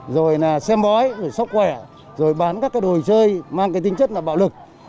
rồi xem bói sốc khỏe rồi bán các đồ chơi mang tính chất bạo lực